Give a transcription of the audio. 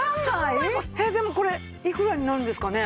でもこれいくらになるんですかね？